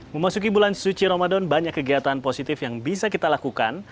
memasuki bulan suci ramadan banyak kegiatan positif yang bisa kita lakukan